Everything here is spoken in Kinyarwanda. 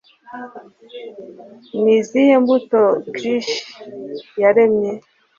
Ni izihe mbuto Kirsch yaremye?